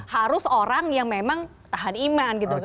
harus orang yang memang tahan iman gitu